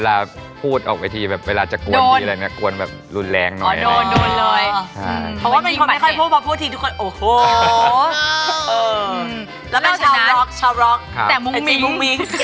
แล้วก็ชาวล็อกชาวล็อกแต่มุ้งมิง